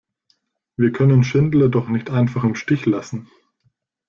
Wir können Schindler doch nicht einfach im Stich lassen!